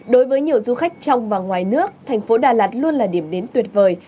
đối với nhiều du khách trong và ngoài nước thành phố đà lạt luôn là điểm đến tuyệt vời